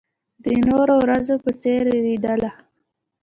د نورو ورځو په څېر وېرېدله.